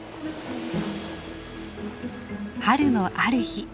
春のある日。